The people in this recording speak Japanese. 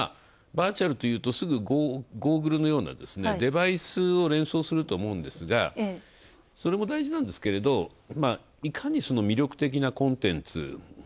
バーチャルというとすぐゴーグルのようなデバイスを連想すると思うんですが、それも大事だが、いかにその魅力的なコンテンツ。